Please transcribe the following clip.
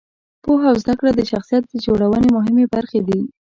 پوهه او زده کړه د شخصیت جوړونې مهمې برخې دي.